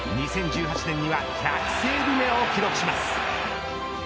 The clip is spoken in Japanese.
２０１８年には１００セーブ目を記録します。